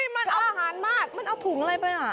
มันเอาผ้านมากมันเอาถุงอะไรไปเหรอ